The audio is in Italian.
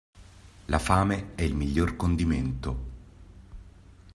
La fame è il miglior condimento.